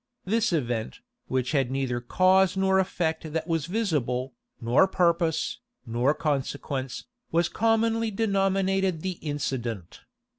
This event, which had neither cause nor effect that was visible, nor purpose, nor consequence, was commonly denominated the incident.